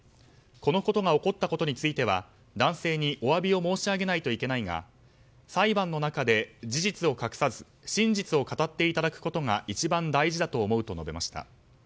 このことが起こったことについては、男性に申し上げないといけないが裁判の中で事実を隠さず真実を語っていただくことが一番大事だと思うと述べました。